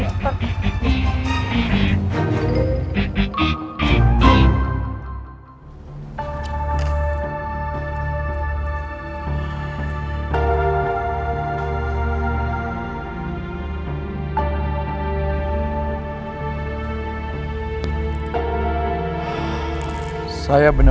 jadi kayak gini